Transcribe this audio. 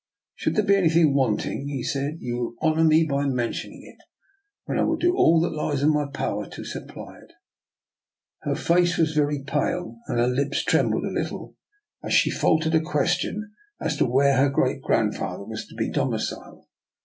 " Should there be anything wanting," he said, " you will honour me by mentioning it, when I will do all that lies in my power to supply it." Her face was very pale, and her lips trem* bled a little as she faltered a question as to zz 158 DR. NIKOLA'S EXPERIMENT. where her great grandfather was to be domi ciled.